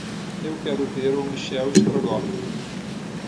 Eu quero ver o Michel Strogoff